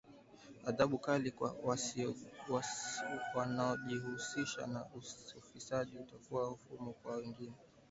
Adhabu kali kwa wanojihusisha na ufisadi litakuwa funzo kwa wengine